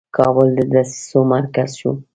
کابل د دسیسو مرکز شو.